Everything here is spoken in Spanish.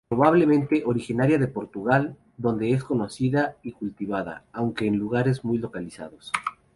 Probablemente originaria de Portugal, donde es conocida y cultivada, aunque en lugares muy localizados.